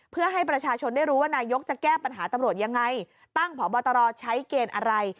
เพื่อให้ประชาชนได้รู้ว่านายกจะแก้ปัญหาตำรวจยังไงตั้งพบตรใช้เกณฑ์อะไร